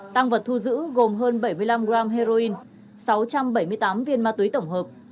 tăng vật thu giữ gồm hơn bảy mươi năm g heroin sáu trăm bảy mươi tám viên ma túy tổng hợp